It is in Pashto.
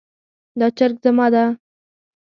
دا چرګ زما ده